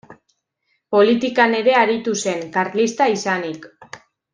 Politikan ere aritu zen, karlista izanik.